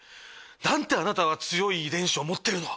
「なんてあなたは強い遺伝子を持ってるの！」